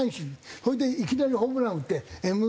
それでいきなりホームランを打ってＭＶＰと。